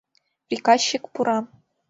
Приказчик пура.